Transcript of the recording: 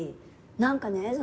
何かね